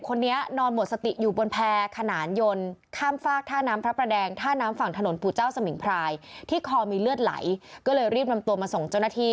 ก็เลยรีบนำตัวมาส่งเจ้าหน้าที่